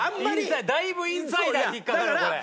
だいぶインサイダーに引っかかるこれ。